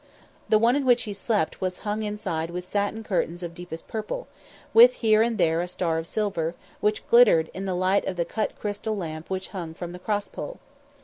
The one in which he slept was hung inside with satin curtains of deepest purple, with here and there a star of silver, which glittered in the light of the cut crystal lamp which hung from the cross pole.